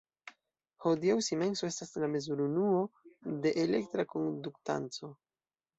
Hodiaŭ simenso estas la mezur-unuo de elektra konduktanco.